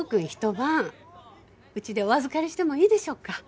晩うちでお預かりしてもいいでしょうか？